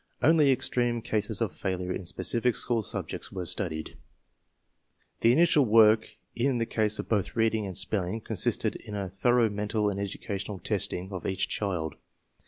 Only extreme cases of failure in specific school subjects were studied. The initial work in the case of both reading and spelling consisted in a thorough mental and educational testing of each child.